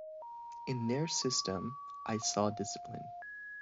In their system, I saw discipline.